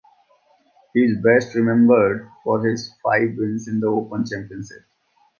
He is best remembered for his five wins in The Open Championship.